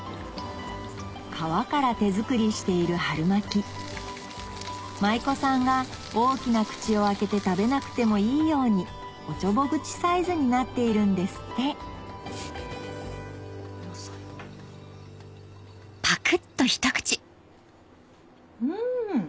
皮から手作りしている春巻き舞妓さんが大きな口を開けて食べなくてもいいようにおちょぼ口サイズになっているんですってうん。